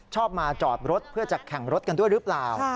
ชอบมาจอดรถเพื่อจะแข่งรถกันด้วยหรือเปล่า